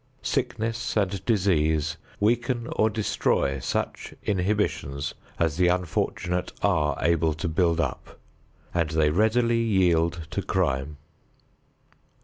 Sickness and disease weaken or destroy such inhibitions as the unfortunate are able to build up, and they readily yield to crime.